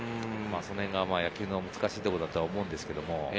野球の難しいところだと思うんですけど。